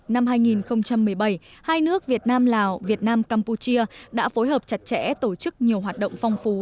năm hai nghìn một mươi bảy hai nước việt nam lào việt nam campuchia đã phối hợp chặt chẽ tổ chức nhiều hoạt động phong phú